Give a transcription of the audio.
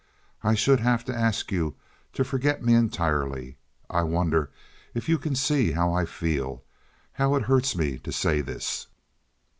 I should have to ask you to forget me entirely. I wonder if you can see how I feel—how it hurts me to say this?"